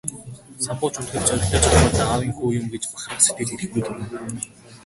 Самбуу ч үнэхээр зоригтой, золбоотой аавын хүү юм гэж бахархах сэтгэл эрхгүй төрнө.